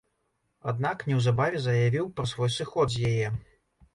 Аднак, неўзабаве заявіў пра свой сыход з яе.